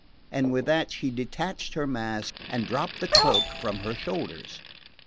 And with that she detached her mask and dropped the cloak from her shoulders.